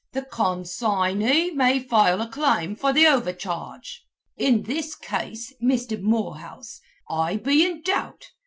The con sign ey may file a claim for the overcharge.' In this case, Misther Morehouse, I be in doubt.